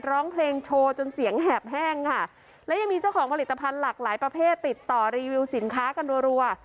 ร้องเพลงโชว์จนเสียงแหบแห้งค่ะและยังมีเจ้าของผลิตภัณฑ์หลากหลายประเภทติดต่อรีวิวสินค้ากันรัว